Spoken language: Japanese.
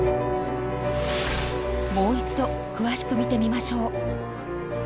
もう一度詳しく見てみましょう。